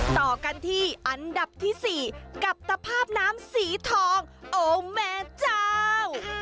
ต่อกันที่อันดับที่๔กับตภาพน้ำสีทองโอแม่เจ้า